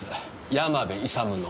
山部勇の。